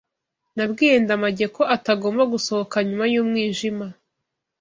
Nabwiye Ndamage ko atagomba gusohoka nyuma y'umwijima.